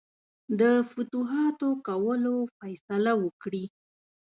د فتوحاتو کولو فیصله وکړي.